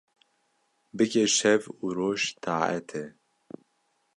Bike şev û roj taetê